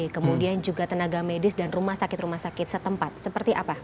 kemudian juga tenaga medis dan rumah sakit rumah sakit setempat seperti apa